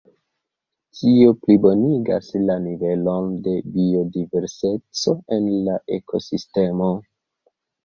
Tio plibonigas la nivelon de biodiverseco en la ekosistemo.